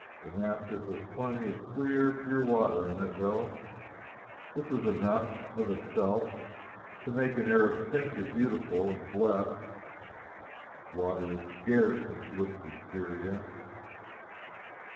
Damascus has plenty of clear, pure water in it, though, and this is enough, of itself, to make an Arab think it beautiful and blessed. Water is scarce in blistered Syria.